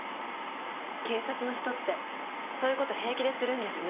警察の人ってそういう事平気でするんですね。